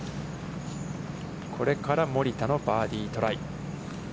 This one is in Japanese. これから森田のバーディートライ。